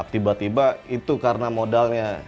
tiba tiba itu karena modalnya